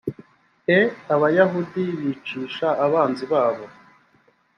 est abayahudi bicisha abanzi babo